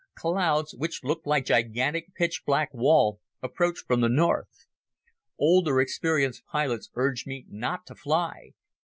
Clouds which looked like a gigantic pitch black wall approached from the north. Old experienced pilots urged me not to fly.